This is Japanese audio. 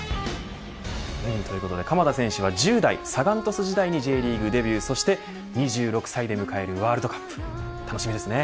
ということで鎌田選手は１０代、サガン鳥栖時代にＪリーグでデビューそして２６歳で迎えるワールドカップ、楽しみですね。